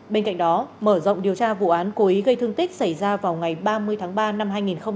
bên cạnh đó mở rộng điều tra vụ án cố ý gây thương tích xảy ra vào ngày ba mươi tháng ba năm hai nghìn hai mươi